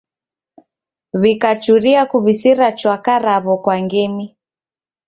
W'ikachuria kuw'usira chwaka raw'o kwa ngemi.